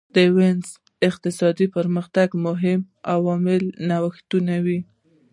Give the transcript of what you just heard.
د وینز اقتصادي پرمختګ مهم عامل نوښتونه وو